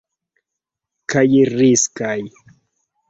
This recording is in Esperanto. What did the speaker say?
Kaj riskaj.